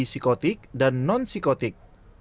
psikotik dan non psikotik